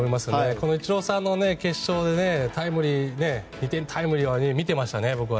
このイチローさんの決勝での２点タイムリーは見てましたね。